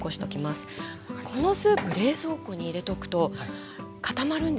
このスープ冷蔵庫に入れておくと固まるんですよ。